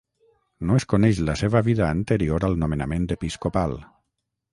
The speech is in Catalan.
No es coneix la seva vida anterior al nomenament episcopal.